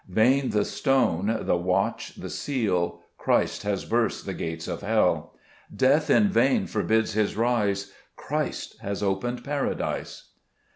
2 Vain the stone, the watch, the seal ; Christ has burst the gates of hell : Death in vain forbids His rise ; Christ has opened Paradise.